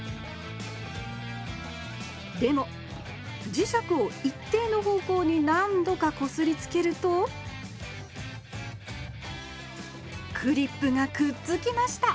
でも磁石を一定の方向に何度かこすりつけるとクリップがくっつきました。